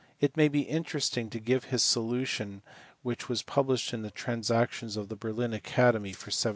It may be interesting to give his solution which was published in the transactions of the Berlin Academy for 1747.